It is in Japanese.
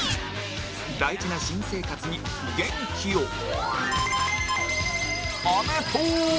大事な新生活に元気を